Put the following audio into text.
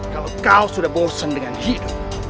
kalau kau sudah bosan dengan hidupmu